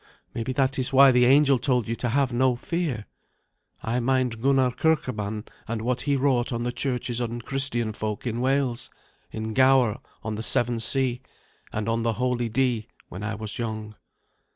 Maybe that is why the angel told you to have no fear. I mind Gunnar Kirkeban, and what he wrought on the churches and Christian folk in Wales in Gower on the Severn Sea, and on the holy Dee when I was young."